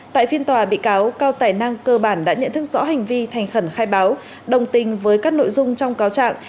tại phiên tòa bị cáo cao tài năng cơ bản đã nhận thức rõ hành vi thành khẩn khai báo đồng tình với các nội dung trong cáo trạng